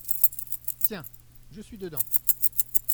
Tiens ! je suis dedans !…